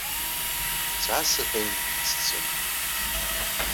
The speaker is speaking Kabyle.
Ttɛassat ayen tettettem.